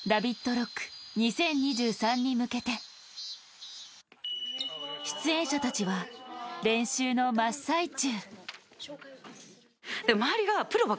ＲＯＣＫ２０２３に向けて出演者たちは練習の真っ最中。